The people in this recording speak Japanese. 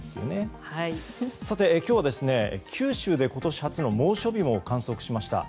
今日は、九州で今年初の猛暑日も観測しました。